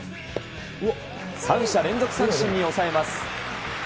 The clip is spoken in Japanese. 三者連続三振に抑えます。